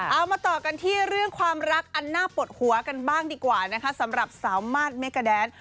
เอามาต่อกันที่เรื่องความรักอันน่าปวดหัวกันบ้างดีกว่านะคะสำหรับสาวมาสเมกาแดน